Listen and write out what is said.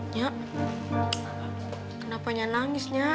nyak kenapa nyak nangis nyak